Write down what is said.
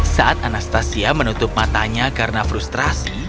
saat anastasia menutup matanya karena frustrasi